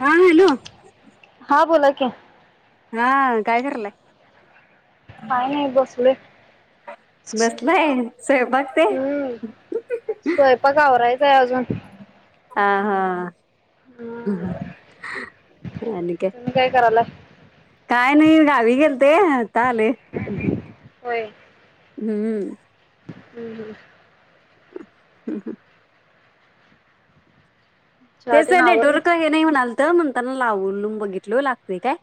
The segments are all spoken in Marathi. [inaudible] हा हॅलो. काय. हा काय करायलेे काय नाही बसले. बसलंय स्वयंपाक काय. हम्म स्वयंपाक आवरायच आहे अजून हा हा. हम्म तुम्ही काय करायला. काय नाही गावी गेलते आता आले होय हम्म. हम्म हम्. हम हम चहा तेच तेन आवरलं नेटवर्क हे नाही म्हणाल तर म्हणताना लावून बघितल लागते काय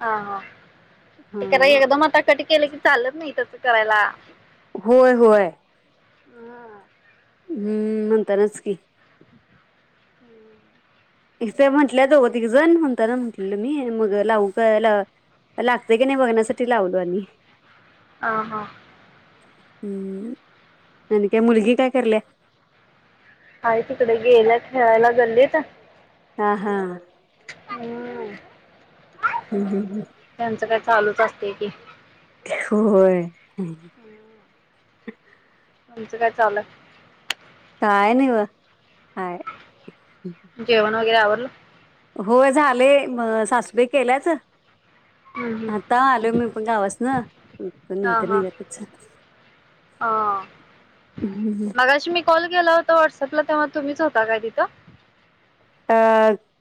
हा हा ते कराय हा एकदम आता कट केलं की चालत नाही तस करायला होय होय हं. हम्म, म्हणतानाच की हम्म. इथे म्हटल्या, दोघं तीघी जण म्हणताना म्हटलेलं, मी मग लावू काय ला लागतय की नाही, बघण्यासाठी लावलो, आणि अ, हा. हम्म आणि काय मुलगी काय कराल्या? आहे तिकडे गेल्या खेळायला गल्लीत. हा, हा. हम्म हम्म, हम्म, हम्म. त्यांचं काय चालूच असते की. होय. [inaudible] तुमचं काय चाललंय? काय नाही, बघा हाय. जेवण वगैरे आवरलं? होय, झाले. मग सासुबाई केल्यात. हम्म हम्म आता आलोय मी पण गावासन. हा नंतर हा निघायचं. हा. हम्म, हं. मगाशी मी कॉल केला होता व्हॉट्सॲपला. तेव्हा तुम्हीच होता काय तिथं? अ,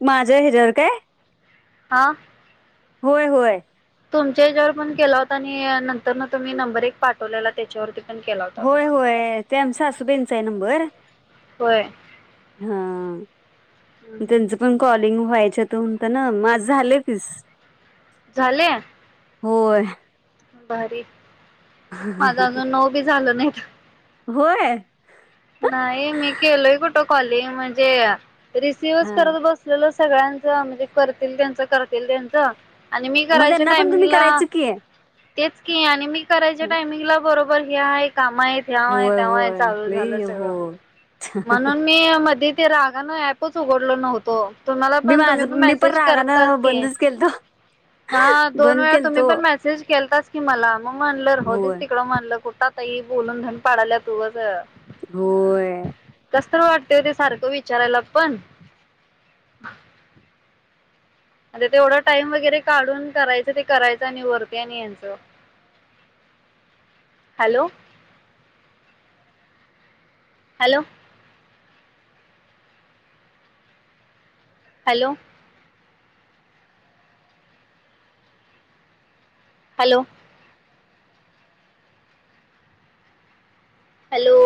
माझं हेच्यावर काय? हा. होय, होय. तुमच्या याच्यावर पण केला होता आणि नंतर ना, तुम्ही नंबर एक पाठवलेला त्याच्यावरती. पण केला होता होय, बघा. होय. ते आमचासासूबाईंचा आहे नंबर. होय. हा. हम्म हम्म. त्यांच पण कॉलिंग व्हायच होत, म्हणताना माझ झाले तीस. झालंय. होय. भारीय. माझ अजून नऊ बी झालं नाहीत. होय. नाही, मी केलोय कुठं कॉलिंग, म्हणजे रिसिव्हच हा करत बसलेलो सगळ्यांचं म्हणजे, करतील त्यांचं, करतील त्यांचं. आणि मी मग करायच्या त्यांना पण तुम्ही टाइमिंगला करायचं की तेच की, आणि मी करायच्या टायमिंगला बरोबर हे आहे, काम आहेत, ह्याव आहे, होय त्याव आहे. होय चालू लई झालंच. हो म्हणून मी मध्ये ते रागान अँपच उघडलो नव्हतो. तुम्हाला मी पण माझ तुम्ही पण मी मेसेज करतास रागानं की. बंदच केलतो हा, दोन बंद वेळा तुम्ही केलतो पण मेसेज केलताच कि मला मग म्हणलं राहुदेत होय तिकडं म्हणलं कुठं आता ही बोलून धन पाडाल्यात उगच होय. कसं तर वाटतेय सारखं विचारायला पण आणि तेवढा टाइम वगैरे काढून करायचं ते करायचं आणि वरते आणि यांचं [inaudible] hello. Hello. Hello. Hello. Hello.